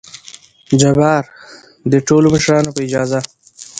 جبار : دې ټولو مشرانو په اجازه!